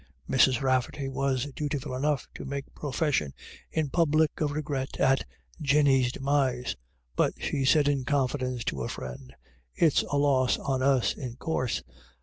Mrs. Rafferty was dutiful enough to make profession in public of regret at Jinny's demise. But she said in confidence to a friend :" It's a loss on us, in coorse.